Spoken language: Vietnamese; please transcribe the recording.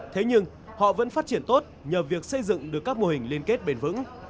thế nhưng họ vẫn phát triển tốt nhờ việc xây dựng được các mô hình liên kết bền vững